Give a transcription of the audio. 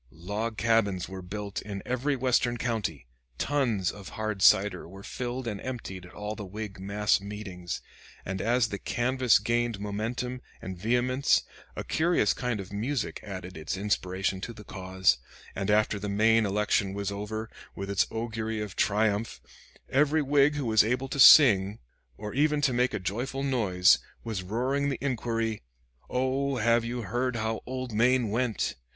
Log cabins were built in every Western county, tuns of hard cider were filled and emptied at all the Whig mass meetings; and as the canvass gained momentum and vehemence a curious kind of music added its inspiration to the cause; and after the Maine election was over, with its augury of triumph, every Whig who was able to sing, or even to make a joyful noise, was roaring the inquiry, "Oh, have you heard how old Maine went?"